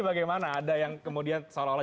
bagaimana ada yang kemudian seolah olah